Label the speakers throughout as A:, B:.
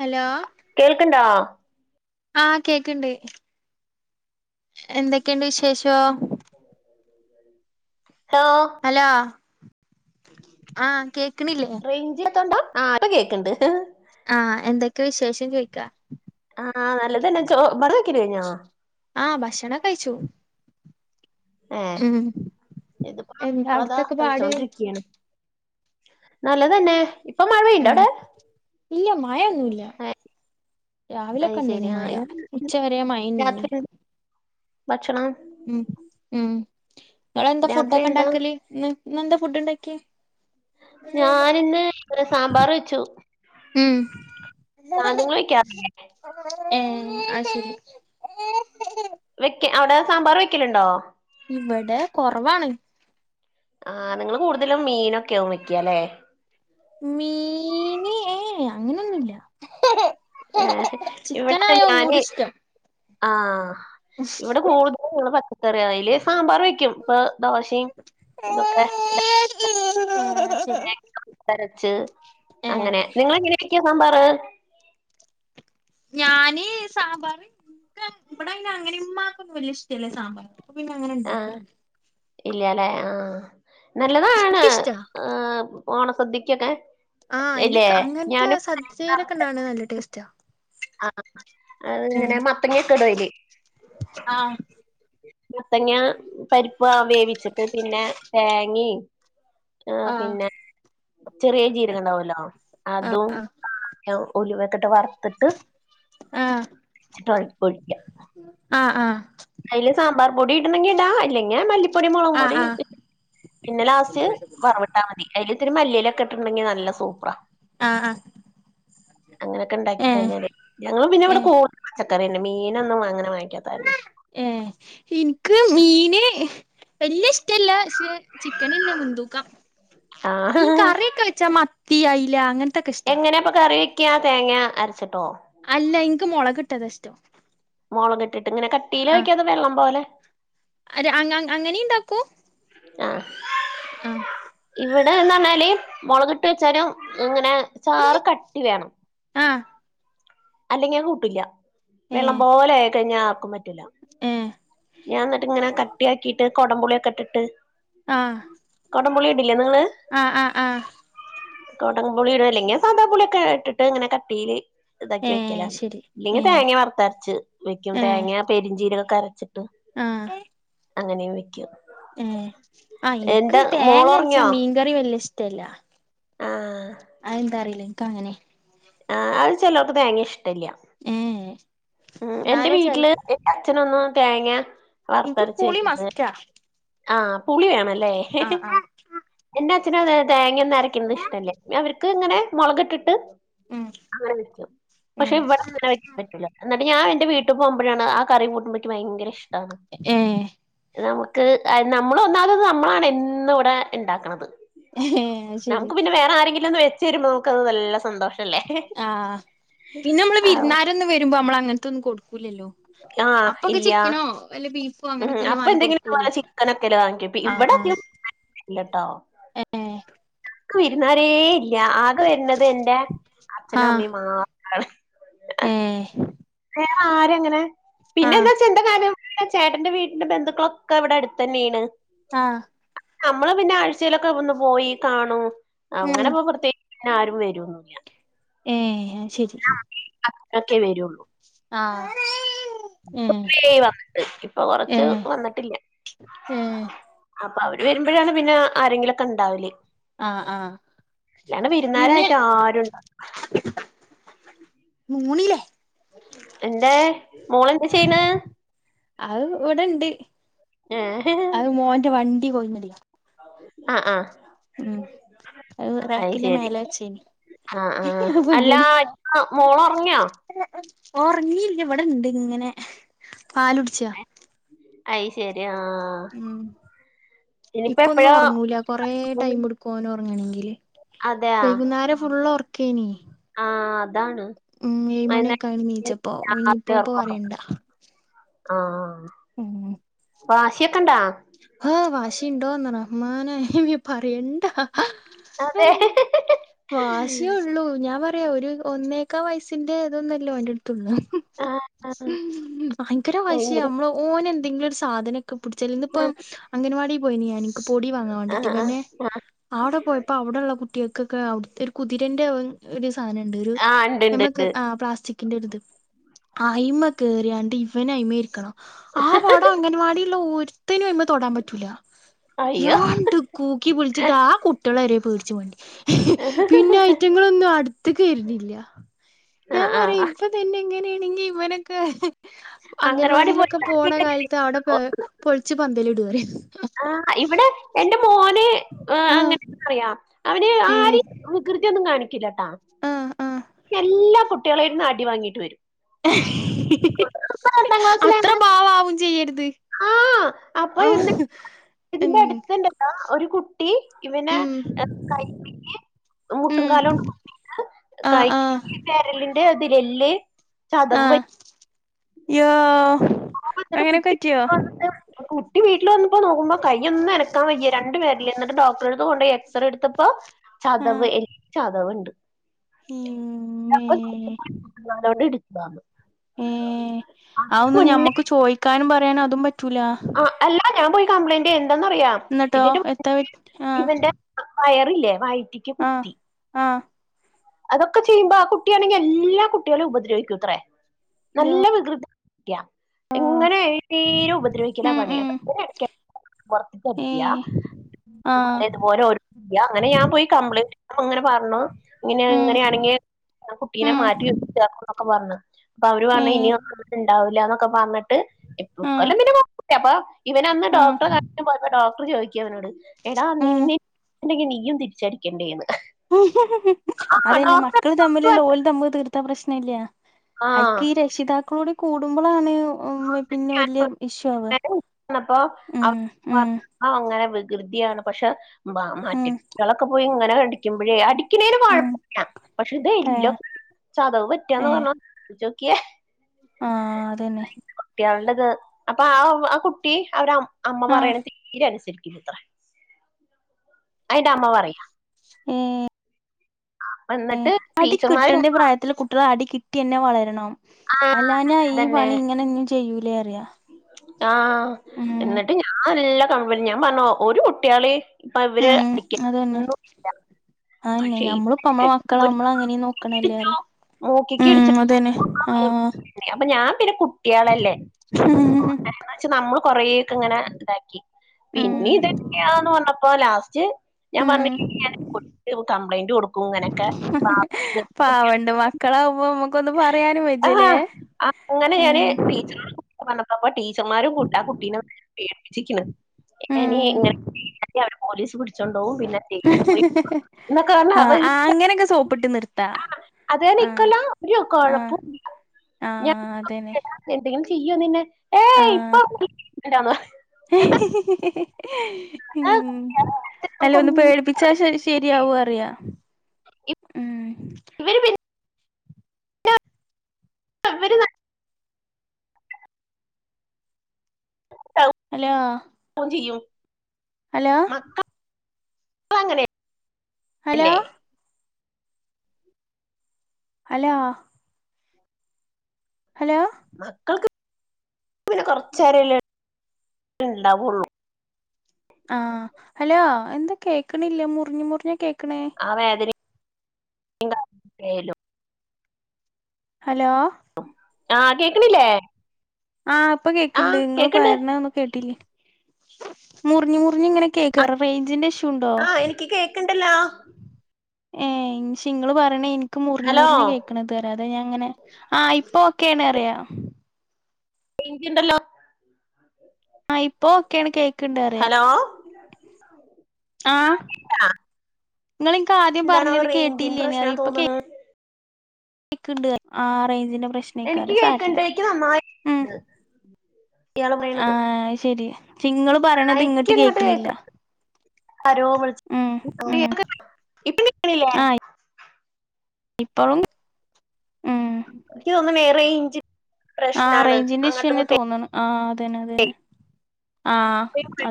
A: Hello?
B: കേൾക്ക്ണ്ടോ?
A: ആഹ് കേക്ക്ണ്ട്. എന്തെക്കെണ്ട് വിശേഷോ?
B: ഹലോ
A: ഹലോ ആഹ് കേക്ക്ണില്ലേ
B: റൈഞ്ചി ത്തൊണ്ടാ? ആഹ് ഇപ്പ കേക്ക്ണ്ട്.
A: ആഹ് എന്തക്കെ വിശേഷം ചോയ്ക്കാ?
B: ആഹ് നല്ലതന്നെ ചോ ബർകക്കൽ കഴിഞ്ഞോ?
A: ആഹ് ഭക്ഷണം കഴിച്ചു.
B: ഹേ
A: ഉം
B: ഇത്
A: എന്താ
B: പ താ
A: അവിടത്തൊക്കെ പാട്
B: കഴിച്ചോണ്ടിരിക്കയാണ്. നല്ലതന്നെ ഇപ്പം മഴ
A: ഉം
B: പെയ്യ്ണ്ടോടേ?
A: ഇല്ല മഴന്നുല്ല
B: അത് ശരി
A: രാവിലെക്കെണ്ടേനി
B: ആ
A: മഴ
B: ഇന്ന്
A: ഉച്ചവരെ മഴന്നേനി.
B: രാത്രി ഭക്ഷണം
A: ഉം ഉം ങ്ങള ന്താ
B: രാത്രി
A: ഫുഡക്കെ
B: എന്താ
A: ണ്ടാക്കല് ന്ന് ഇന്ന് ന്താ ഫുഡ് ണ്ടാക്കിയേ?
B: ഞാൻ ന്ന് ഹ് സാമ്പാർ വെച്ചു.
A: ഉം
B: [unintelligible]
A: ഏഹ് അഹ് ശരി
B: വെക്ക അഒടെ സാമ്പാർ വെക്കല്ണ്ടോ?
A: ഇവടെ കൊറവാണ്.
B: ആഹ് നിങ്ങള് കൂട്തലും മീനക്കെവു വയ്ക്കാ ല്ലേ?
A: മീന് ഏഹ് അങ്ങനൊന്നുല്ല.
B: ഏഹ് ഇവടെത്തെ
A: ചിക്കനായ
B: ഞാന്
A: ഒന്നൂടി ഇഷ്ടം
B: ആഹ് ഇവടെ [unintelligible] പച്ചക്കറിയ അയിൽ സാമ്പാർ വെ ക്കും ഇപ്പ ദോശയും ഇതൊക്കെ
A: ആഹ് ശെരി
B: ത്തരച്ച്
A: ഏഹ്
B: അങ്ങനെ നിങ്ങളെങ്ങനെ ക്കിയ സാമ്പാറ്?
A: ഞാൻ സാമ്പാർ ക്ക ഇവടെ അയ്ന അങ്ങനെ ഇമ്മാക്കൊന്നും വല്യ ഇഷ്ടല്ല സാമ്പാർ. അപ്പ പിന്നെ അങ്ങനെ ണ്ടാക്കല്
B: ഇല്ല ല്ലെ ആഹ് നല്ലതാണ്
A: എനിക്കിഷ്ടാ
B: ഏഹ് ഹ് ഓണ സദ്യക്കൊക്കെ.
A: ആഹ് അയ്നെക്കെ അങ്ങൻത്തെ സദ്യയിലക്കെ ണ്ടാണ് നല്ല ടേസ്റ്റാ.
B: ആഹ് അഹ്
A: ഉം
B: ങ്ങനെ മത്തങ്ങ്യക്കെ ടയ്ല്.
A: ആഹ്
B: മത്ത്യങ്ങ പരിപ്പ് വേവിച്ചിട്ട് പിന്നെ തേങ്ങി ആഹ് പിന്നെ ചെറിയ ജീരക ണ്ടാവല്ലോ അതും ഉലുവെക്കട്ട് വർത്ത്ട്ട്
A: ആഹ്
B: ചിട്ടോ പ്പവിള്ക്ക്യ
A: ആഹ് ആഹ്
B: അയില് സാമ്പാർ പൊടി ഇടണെങ്കി ടാ അല്ലങ്കി ഞാ മല്ലിപ്പൊടി, മൊളക്
A: ആഹ്
B: പൊടി
A: ആഹ്
B: പിന്നെ ലാസ്റ്റ് വറവ് ട്ടാമതി അയിൽ ഇത്തിരി മല്ലിയിലക്കെ ഇട്ട്ണ്ടങ്കി നല്ല സൂപ്പറാ.
A: ആഹ് ആഹ്
B: അങ്ങനക്ക ണ്ടാക്കി
A: ഏഹ്
B: കഴിഞ്ഞാല് ഞങ്ങള് പിന്നെ ഇവടെ
A: ഏഹ്
B: കൂ പച്ചക്കനെ മീനൊന്നും അാങ്ങനെ വാങ്ങിക്കാത്തകാരനെ
A: ഏ ഇൻക്ക് മീന് വല്യ ഇഷ്ടല്ല പക്ഷെ ചിക്കനെന്നെ മുൻതൂക്കം
B: ആഹ്
A: ഈ കറിയൊക്കെ വെച്ചാ മത്തി അല അങ്ങനെ
B: എങ്ങനാപ്പൊ കറിവെക്ക തേങ്ങ അരച്ചിട്ടോ?
A: അല്ല ഇന്ക്ക് മുളകിട്ടതാഷ്ടം
B: മുളക് ട്ടിട്ട്ങ്ങനെ കട്ടിലോയ്ക്കാത് വെള്ളം പോലെ
A: അര അങ്ങ അങ്ങനി ഉണ്ടാക്കും.
B: [unintelligible] ഇവ്ടെന്ന്റഞ്ഞാല് മുളകിട്ട് വെച്ചാലും ഇങ്ങനെ ചാറ് കട്ടി വേണം.
A: ആഹാ
B: അല്ലെങ്കി അഹ് കൂട്ടില്യ വെള്ളം
A: ഏഹ്
B: പോലെ ആയികഴിഞ്ഞ ആർക്കും പറ്റില.
A: ഏഹ്
B: ഞാൻ ന്നട്ട്ങ്ങനെ കട്ടിയാക്കിട്ട് കൊടംപുളിയൊക്കെഇട്ടിട്ട്
A: ആഹ്
B: കൊടപുളി ഇട്ല്ലേ നിങ്ങള്
A: ആഹ് ആഹ് ആഹ്
B: കൊടം പുളിടും അല്ലെങ്കിൽ സാന്താപുളിയൊക്കെ ഇട്ടിട്ട് ഇങ്ങനെ കട്ടീയില് ഇതാക്കി
A: ഏഹ്
B: വെക്കലാ.
A: ശരി
B: ഇല്ലെങ്കിൽ
A: ഏഹ്
B: തേങ്ങ വറ്ത്തരച്ച് വെക്കും തേങ്ങ പെരിഞ്ചീരൊക്കെ അരച്ചിട്ട്
A: ആഹാ
B: അങ്ങനിം വയ്ക്കും.
A: ഏ ആഹ ഇൻക്ക് തേങ്ങ അരച്ചാ
B: മോളൊറങ്ങിയോ
A: മീൻകറി വല്യഇഷ്ടല്ല.
B: ആഹ്
A: അഹ് ന്താറിയില്ല ഇൻക്ക് അങ്ങനെ.
B: ആഹ അത് ചെലോർക്ക് തേങ്ങ ഇഷ്ടല്യ
A: ഏഹ്
B: എന്റെ
A: ഇന്നാലും ചെൽ
B: വീട്ടില് എൻ്റെ അച്ഛനൊന്നും തേങ്ങ
A: ഇൻക്ക്
B: വർത്തരച്ച്
A: പുളി
B: വെക്കുന്ന
A: മസ്റ്റാ
B: ആ പുളി വേണല്ലേ? ഹി ഹെ
A: ആഹ് ആഹ്
B: എന്റെ അച്ഛനും അതെ തേങ്ങ അര ക്കുന്നത് ഇഷ്ടല്ല. അവർക്ക് ഇങ്ങനെ മുളക് ഇട്ടിട്ട്
A: ഉം
B: അങ്ങെനെ വെയ്ക്കും
A: ഉം
B: പക്ഷെ വടെ ഇങ്ങനെവികും. പറ്റില്ല. ന്നിട്ട്ഞൻ എൻന്റെ വീട്ടിൽ പോക്പോഴാണ് ആ കറി കൂട്ടുമ്പ ക്കിഭയങ്കരഷ്ടണ്
A: ഏഹേ
B: നമുക്ക് ഐ നമ്മള ഒന്നാത് നമ്മളാണ് എന്നു ഇവിടെ ഉണ്ടാക്കണത്.
A: ഏഹ് അത് ശരി
B: നമുക്ക് പിന്നെ വേറെ ആരെങ്കിലും ഒന്ന് വെച്ച് തരുമ്പോ നമുക്ക്ത് നല്ല സന്തോഷംല്ലേ?
A: ആ പിന്നെ നമ്മള് വിരുന്നാരൊന്ന വരുമ്പോ നമ്മൾ അങ്ങനത്തെൊന്നും കൊടുക്കൂലല്ലോ?
B: ആ
A: അപ്പൊക്കെ
B: ഇല്ല
A: ചിക്കനോ വല്ല ബീഫോ
B: ഉം
A: അങ്ങനെയൊക്കെല്ലേ
B: അപ്പൊ
A: വാങ്ങി
B: എന്തെങ്കിലുംഇത്
A: കൊടുക്കുള്ളൂ
B: പോല്ചിക്കനോക്കെല്ലേ വാങ്ങിക്ക ഇവടെ അതിയ്കം [unintelligible]
A: ഹെ ഹേ
B: ഞക്ക് വിരുന്നാരേ ഇല്യ. ആകെ വരത് എൻറെ അച്ഛനും അമ്മയുംമാത്രണ്.
A: ഏഹേ
B: വേറെ ആരുങ്ങനെ പിന്നെ എന്താച [unintelligible] ചേട്ടന്റെ വീടിന്റെ ബന്ധുക്കളൊക്കെവിടെടുത്തന്നെയാണ്.
A: ആഹ
B: നമ്മള് പിന്നെ ആഴ്ചയിലൊക്കെ ഒന്ന് പോയികാണൂം.
A: ഉം
B: അങ്ങനെപ്പോ പ്രത്യേകി പിന്ന ആരും വരൂല്ല്യ.
A: ഏഹെ അത് ശെരി
B: അത്രൊക്കെ വരുള്ളൂ.
A: ആഹ്
B: പ്പൊ
A: ഏഹ്
B: കോറെ ആയിവന്നിട്ട്. ഇപ്പൊ കൊറച്ച്
A: ഏഹ്
B: വന്നിട്ടില്ല.
A: ഏഹ്
B: അപ്പൊ അവര് വരുമ്പോഴാണ് പിന്നെ ആരെങ്കിലും ഓക്കെണ്ടാവല്.
A: ആഹ് ആഹ്
B: അല്ലാണ്ട വിരുന്നാരായിട്ട് ആരുണ്ട
A: മൂണിലേ
B: അന്റെ മോള് താചെയ്യണ്.
A: അഹ് ഇവിടെ ഇണ്ട്.
B: ഏഹ്
A: അഹ് മോന്റെ വണ്ടി കൊട്ന്ന്ടില്ല.
B: അഹ അഹ
A: ഉം അത് റാക്കിന്റെ മേലെ വച്ചേന്
B: ആഹ് ആഹ് അല്ല മോളൊറങ്ങിയോ?
A: ഉറങ്ങില്ല്യ ഇവിടെണ്ട് ഇങ്ങനെ പാലുടിച്ചാ.
B: അയ്ശരി ആ
A: ഉം
B: ഇനിപ്പോ എപ്പഴാ [unintelligible]
A: കോനൊറങ്ങണെങ്കില്
B: അതെയ ആഹ് അതാണ്
A: ഉം ഏഴ് മണിയൊക്കെ ആയി എണീച്ചപ്പോ ഇനിയിപ്പോ ഇപ്പൊ പറയണ്ട
B: [unintelligible] ആഹ്
A: ഉം
B: വാശിയൊക്കെ ഒണ്ടാ?
A: ആഹ് വാശിണ്ടോ റഹ്മാനേന്ന് പറയണ്ട.
B: അതെ
A: വാശിയേ ഒള്ളൂ ഞാൻ പറയാ ഒരു ഒന്നേക്കാ വയസിന്റെ ഇതൊന്നല്ലാ ഓന്റെടുത്തുള്ളെ
B: ആഹ് ആഹ്
A: ഉ ഭയങ്കര വശിയ
B: ഭയങ്കര
A: നമ്മള് ഓന് എന്തെങ്കിലും ഒരു സാധന പുട്ച്ചൽ ഇന്ന് ഇപ്പം അംഗൻവാടിയി പോയിനീ ഞാൻ എനിക്ക് പൊടി വാങ്ങാ വേണ്ടീട്ട്
B: ആഹ് ആഹ്
A: ഇവനെ.
B: ആഹ്
A: അവിടെ പോയപ്പോ അവ്ടൊള്ള കുട്ടികൾക്കൊക്കെ അവിടത്തോരു കുതിരന്റെ ഒരു സാധനുണ്ട് ഒരു
B: ആഹ് ഇണ്ട് ഇണ്ട്
A: നമ്മക്ക്
B: ഇണ്ട്
A: ആ പ്ലാസ്റ്റിക്കിന്റോര്ത് അയ്മ കേയറിയാണ്ട് ഇവന് അയ്മ ഇരിക്കണം ആ വടം അംഗൻവാടിലുള്ള ഒരുത്തനും അയ്മേ തൊടൻ പറ്റൂല
B: അയ്യോ
A: യാണ്ട് കൂക്കി വിളിച്ചിട്ട് ആ കുട്ടികളെവരെ പേടിച്ചു പോയിണ്ട് പിന്നെ ഐറ്റങ്ങളൊന്നും അടുത്തേക്ക് വരുന്നില്ല ഞാൻ
B: ആഹ്
A: പറയാ
B: ആഹ്
A: ഇവ തന്നെ ഇങ്ങനെയാണെങ്കിൽ ഇവനൊക്കെ
B: അംഗനവാടി
A: അംഗൻവാടിയിലൊക്കെ
B: പോയിട്ട്
A: പോണ കാലത്ത് അവിടെ പ പൊളിച്ചു പന്തലിടുരെ
B: ആഹ് ഇവിടെ എന്റെ മോനെ
A: ആഹ്
B: അങ്ങനെ അറിയാം അവന്
A: ഏഹ്
B: ആര് വികൃതിയൊന്നും കാണിക്കില്ലട്ടാ.
A: ആഹ് ആഹ്
B: എല്ലാ കുട്ടികളെയിന്നും അടി വാങ്ങിട്ട് വരും. ഇപ്പൊ രണ്ടാം
A: അത്ര
B: ക്ലാസ്സിലാണ്
A: പാവാവും ചെയ്യരുത്.
B: ആഹ് അപ്പൊ
A: ആഹ്
B: എന്ത [unintelligible]
A: ഉം
B: ഇതിന്റെ അടുത്ത്ണ്ടല്ലോ ഒരു കുട്ട ട്ടി ഇവനെ
A: ഉം
B: കൈ പിടിച്ച്
A: ഉം
B: മുട്ടുങ്കാല് കൊണ്ട് കു [unintelligible] കൈ
A: ആഹ് ആഹ്
B: [unintelligible] വെരളിന്റെ അതിലല്ല് ചതവ് പറ്റി
A: യ്യോ
B: എന്നിട്ട്
A: അങ്ങനൊക്കെ
B: കുട്ടി
A: പറ്റിയോ?
B: വീട്ടിൽ വന്നിട്ട് കുട്ടി വീട്ടില് വന്നപ്പോ നോക്കുമ്പോ കയ്യൊന്നും അനക്കാൻ വയ്യ രണ്ട് വേരൽ എന്നിട്ട് ഡോക്ടർടുത്ത് കൊണ്ട് പോയി എക്സറെ റേ എടുത്തപ്പോ ചതവ് എല്ല് ചതവ്ണ്ട്.
A: ഉം
B: [unintelligible] മുട്ടുക്കാലോണ്ട് ഇടിച്ചതാന്ന്
A: ഒന്ന് ഞമ്മുക്ക് ചോയ്ക്കാനും പറയാനു അതും പറ്റൂല.
B: ആഹ് അല്ല ഞാൻ പോയി കംപ്ലൈയിന്റ് എന്തന്നറിയാം
A: എന്നിട്ടോ
B: ഇതിന്റെ മുന്നേ
A: എത്താ പ ആ
B: ഇവന്റെ വയറില്ലേ വയറ്റിക്ക് കുത്തി.
A: ആഹ്
B: അതൊക്കെ ചെയ്യുമ്പോ ആ കുട്ടിയാണെങ്കി എല്ലാ കുട്ടികളേം ഉപദ്രവിക്കൂത്രേ നല്ല വികൃതി ട്ടിയാ ഇങ്ങനെ തീരെ ഉപദ്രവിക്കല
A: ഉം
B: പണി
A: ഉം
B: [unintelligible]
A: ഏ
B: വർത്തിക്കരിക്ക
A: ആ
B: ഇതുപോലെ ഓരോ ഇല്ല അങ്ങനെ ഞാൻ പോയി കംപ്ലീണ്ട് കൊടുക്കുമ്പോ അങ്ങനെ പറഞ്ഞു ഇങ്ങനെ
A: ഉം
B: ഇങ്ങനെയാണെങ്കിൽ ഞാ കുട്ടീനെ
A: ഉം
B: മാറ്റി ഇര്ത്താക്കും എന്നൊക്കെ പറഞ്ഞ് അപ്പ അവര്
A: ഏ
B: പണ് ഇനി ഒന്നും ഇണ്ട ണ്ടാവില്ലാന്നൊക്കെ പറഞ്ഞിട്ട്
A: ആ
B: ഇക്കൊല്ലം പിന്നെ കൊഴപ്പില്ല അപ്പൊ ഇവനെ അന്ന്
A: ആ
B: ഡോക്ടറെ കാ പോയപ്പോ ഡോക്ടർ ചോദിക്ക അവനോട് എടാ നീ
A: ഉം
B: നീയും [unintelligible] തിരിച്ചടിക്കണ്ടേന്ന്. ആ
A: അതന്നെ മക്കള്
B: ഡോക്ടർ
A: തമ്മിലുള്ള ഓല് തമ്മി തീർത്താ പ്രശ്നം ഇല്ല
B: ആ
A: ഐക്ക് ഈ രക്ഷിതാക്കളോട് കൂടുമ്പോളാണ് ഉ പിന്നെ വല്ല്യ ഇഷ്യു ആവ ഉം ഉം
B: ആ അങ്ങനെ വികൃതിയാണ് പക്ഷെ
A: ഉം
B: മാറ്റളൊക്കെ പോയി ഇങ്ങനെ അടിക്കുമ്പോഴേ അടി ക്ക്‌ണേന്
A: ഉം
B: കൊഴപ്പല്ല പക്ഷെ ഇത്
A: ഏ
B: എല്ല് ചതവ് പറ്റാന്ന് പറഞ്ഞ ചോക്കിയെ
A: ആഹ് അതന്നെ
B: കുട്ട്യാളടത് അപ്പൊ ആഹ് ആ കുട്ടി അവര് അമ്മ
A: ആ
B: പറയണ തീരെ അനുസരിക്കില്ലത്രേ അയിന്റെ അമ്മ പറയാ
A: ഏഹ് ഏഹ്
B: എന്നിട്ട്
A: അടി
B: ടീച്ചർമാര്
A: കിട്ടേണ്ട പ്രായത്തില് കുട്ട ട്ട്യാള് അടി കിട്ടിന്നെ വളരണം
B: ആ
A: അല്ല ഞാ ഈ പണി ഇങ്ങനെ ഇഞ്ഞും ചെയ്യൂലേ റിയ
B: ആഹ് ന്നിട്ട് ഞാൻ നല്ല കമ്പനി ഞാൻ പറഞ്ഞു ഒരു കുട്ടിയാളീം ഇപ്പൊ ഇവര് അടിക്ക ഒന്നും ല്ല
A: അഹെന്നെ നമ്മളിപ്പോ നമ്മളെ മക്കളെ
B: ഒരു
A: നമ്മള് അങ്ങനേം
B: ഇടിച്ചു
A: നോക്കണെല്ലേറിയ
B: മൂക്കിക്ക് ഇടിച്ചിട്ട
A: ആഹ്
B: [unintelligible] ഞാൻ പിന്നെ കുട്ടിയാളല്ലേ പോട്ടേന്ന് വെച്ച് നമ്മള് കൊറേക്കെ ങ്ങനെ ഇതാക്കി
A: ഉം
B: പിന്നിം ഇതന്നെ [unintelligible] ന്ന് പറഞ്ഞപ്പോ ലാസ്റ്റ് ഞാൻ
A: ഉം
B: പറഞ്ഞ് [unintelligible] കംപ്ലൈയിന്റ് കൊടുക്കും ഇങ്ങനൊക്കെ [unintelligible]
A: പണ്ട് മക്കളാവുമ്പോ നമ്മുക്ക് ഒന്ന് പറയാനും വെജ്ജല്ലേ ഉം
B: [unintelligible] പറഞപ്പോ ടീച്ചർമാരും ആ കുട്ടീനെ പേടിപിച്ക്ക്‌ണ്
A: ഉം
B: എനി ഇങ്ങനെ ഇല്ലെങ്കി അവര് പോലീസ് പിടിച്ചോണ്ടോകും പിന്നെ ജയ്ൽ പോയി [unintelligible]
A: ത്താ
B: അത് നിക്കല ഒരു കൊഴപ്പൊവില്ല
A: ആഹ് അതന്നെ
B: എന്തെങ്കിലും ചെയ്യോ നിന്നെ ഏയ്
A: ആഹ്
B: ഇപ്പൊ [unintelligible]
A: ഉം അല്ലെ ഒന്ന്
B: നമുക്കൊന്നും
A: പേടിപ്പി ച്ച ശ ശരിയാവും അറിയ ഉം
B: ഇവര് പിന്നെ ഇവര് [unintelligible] ട്ടവു
A: ഹലോ
B: ഫോൺ ചെയ്യും
A: ഹലോ
B: [unintelligible] അങ്ങനെ
A: ഹലോ
B: അല്ലേ
A: ഹലോ ഹലോ
B: മക്കൾക്ക് പിന്നെ കൊറച്ചേരല്ലേ ഇണ്ടാവൊള്ളു
A: ആഹ് ഹലോ എന്താ കേക്കണില്ല മുറിഞ് മുറിഞ്ഞാ കേക്ക്ണെ
B: ആ വേദന [unintelligible]
A: ഹലോ
B: ആഹ് കേക്ക്‌ണില്ലേ
A: ആഹ് ഇപ്പം കേക്ക്‌ണ്ട് ഇങ്ങള്
B: കേക്കണ്ട്
A: പറയ്ണ ഒന്നും കേട്ടില്ലേയ് മുറിഞ് മുറിഞ് ഇങ്ങനെ കേക്കാ റേഞ്ചിന്റെ ഇഷ്യൂ ഉണ്ടോ
B: ആഹ് എനിക്ക് കേക്ക്‌ണ്ടല്ലോ
A: ഏഹ് ഇൻഷി ഇങ്ങള് പറയണേ എനിക്ക് മുറിഞ്ഞ്
B: ഹലോ
A: മുറിഞ്ഞ കേ ക്ക്‌ണെ അത ഞാൻങ്ങനെ ആഹ് ഇപ്പം ഓക്കെയാണ് അറിയ
B: റേഞ്ച്ണ്ടല്ലോ
A: ആഹ് ഇപ്പോ ഒക്കെയാണ് കേക്ക്‌ണ്ട് റിയാ
B: ഹലോ
A: ആഹ്
B: ആ
A: ങ്ങളിൻക്ക് ആദ്യം
B: എന്താണാവോ
A: പറഞ്ഞത്
B: റേഞ്ചിന്റെ
A: കേട്ടില്ലേനി
B: പ്രശ്നാ
A: അറിയ ഇപ്പൊ കേ
B: തോന്നണ്
A: ക്ക്‌ണ്ട് ആഹ് റേഞ്ചിന്റെ
B: എനിക്ക്
A: പ്രശ്നേക്കാരം അത് സാരല്ല
B: കേക്കണ്ട് എനിക്ക് നന്നായി
A: ഉം
B: ഇയാള് പറയണത്
A: ആഹ് അഹ് ശരി ഇങ്ങള്
B: ആ
A: പറയണത് ഇങ്ങട്ട്
B: എനിക്ക് ഇങ്ങോട്ട്
A: കേക്ക്‌ണില്ല
B: കേക്ക ആരോ വിളിച്ച
A: ഉം
B: [unintelligible] ഇപ്പം കേക്ക്‌ണില്ലേ
A: ആ ഇപ്പളും ഉം
B: ഇക്ക് തോന്ന്ണ് റെയ്ഞ്ച്
A: ആഹ് റേഞ്ചിന്റെ ഇഷ്യു ന്നെ തോന്ന്ണ് ആഹ് അതന്നെ അതന്നെ ആ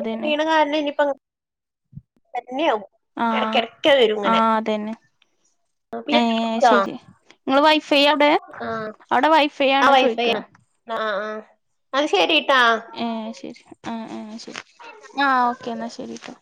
A: അതന്നെ
B: കാരണം ഇനിപ്പോ തന്നെയാവും
A: ആഹ്
B: ഇടക്കിടക്ക് വരും ഇങ്ങനെ
A: ആഹ് അതന്നെ
B: പിന്നെ
A: ഏഹ്
B: ആ
A: ശെരി ങ്ങള് വൈഫൈ അവടെ അവടെ വൈഫൈ ആണോ ചോയ്ക്കാ
B: ആഹ് ആഹ് ന്നാ ശെരിട്ടാ
A: ഏഹ് ശെരി ആഹ് ആഹ് ശെരി ആഹ് ഓക്കേ എന്നാ ശെരിട്ടോ